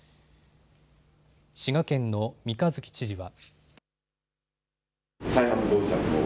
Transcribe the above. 滋賀県の三日月知事は。